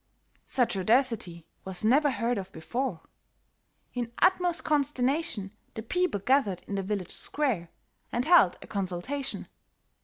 "Such audacity was never heard of before. In utmost consternation the people gathered in the village square and held a consultation.